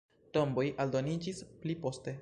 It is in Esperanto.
Tomboj aldoniĝis pli poste.